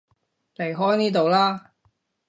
離開呢度啦